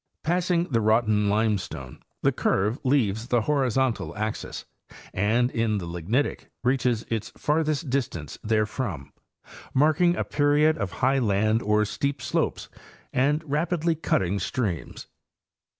Passing the Rotten limestone, the curve leaves the horizontal axis, and in the Lignitic reaches its farthest distance therefrom, marking a period of high land or steep slopes and rapidly cutting streams.